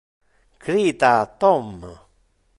Crita Tom!